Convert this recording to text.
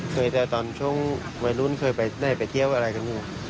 เคยแต่ตอนช่วงวัยรุ่นเคยได้ไปเที่ยวอะไรกับงู